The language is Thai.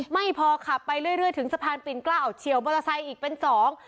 ไม่พอขับไปเรื่อยเรื่อยถึงสะพานปิ่นเกล้าเฉียวมอเตอร์ไซค์อีกเป็นสอง